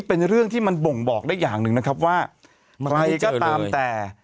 เป็นเรื่องที่มันบ่งบอกได้อย่างหนึ่งนะครับว่าใครก็ตามแต่